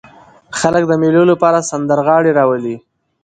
خلک د مېلو له پاره سندرغاړي راولي.